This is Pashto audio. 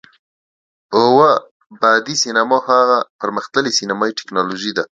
اووه بعدی سینما هغه پر مختللې سینمایي ټیکنالوژي ده،